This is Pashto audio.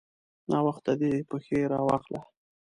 ناوخته دی؛ پښې راواخله.